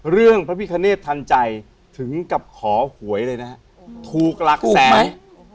เรื่องพระพิคเนธทันใจถึงกับขอหวยเลยนะฮะถูกหลักแสงถูกไหม